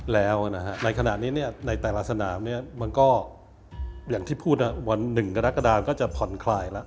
แล้วในขณะนี้ในแต่ละสนามมันก็อย่างที่พูดวัน๑กรกฎาก็จะผ่อนคลายแล้ว